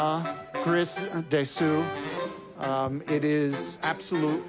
クリスです。